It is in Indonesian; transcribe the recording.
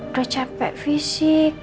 udah capek visi